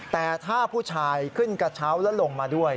แต่ถ้าผู้ชายขึ้นกระเช้าแล้วลงมาด้วย